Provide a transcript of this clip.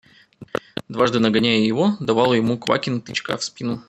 Дважды нагоняя его, давал ему Квакин тычка в спину.